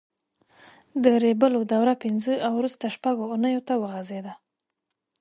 د ریبلو دوره پینځه او وروسته شپږ اوونیو ته وغځېده.